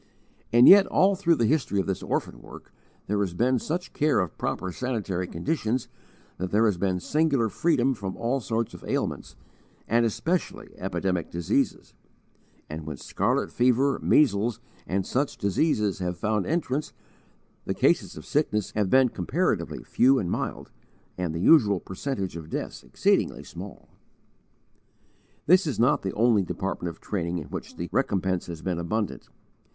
And yet, all through the history of this orphan work, there has been such care of proper sanitary conditions that there has been singular freedom from all sorts of ailments, and especially epidemic diseases; and when scarlet fever, measles, and such diseases have found entrance, the cases of sickness have been comparatively few and mild, and the usual percentage of deaths exceedingly small. This is not the only department of training in which the recompense has been abundant.